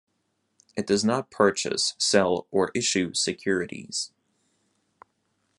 It does not purchase, sell, or issue securities.